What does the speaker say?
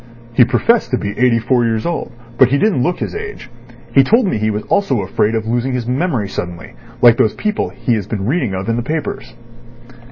"He professed to be eighty four years old, but he didn't look his age. He told me he was also afraid of losing his memory suddenly, like those people he has been reading of in the papers."